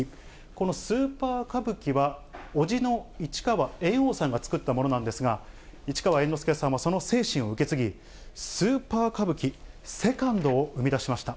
このスーパー歌舞伎は、伯父の市川猿翁さんが作ったものなんですが、市川猿之助さんはその精神を受け継ぎ、スーパー歌舞伎セカンドを生み出しました。